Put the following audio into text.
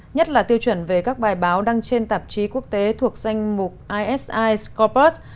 nhất là tiêu chuẩn về các bài báo đăng trên tạp chí quốc tế thuộc danh mục esi scopus